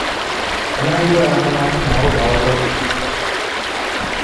ọ naghị ama na ọ gbà ọtọ